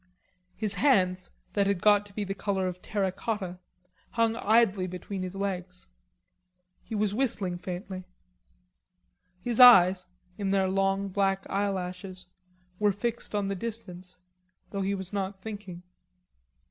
His hands, that had got to be the color of terra cotta, hung idly between his legs. He was whistling faintly. His eyes, in their long black eyelashes, were fixed on the distance, though he was not thinking.